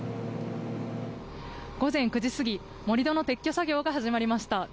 午前９時過ぎ盛り土の撤去作業が始まりました。